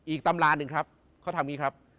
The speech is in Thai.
อีกตำรานึงครับเขาทำงี้ครับ